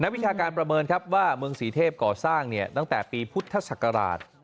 วิชาการประเมินครับว่าเมืองศรีเทพก่อสร้างตั้งแต่ปีพุทธศักราช